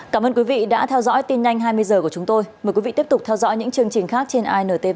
cảm ơn quý vị đã theo dõi tin nhanh hai mươi h của chúng tôi mời quý vị tiếp tục theo dõi những chương trình khác trên intv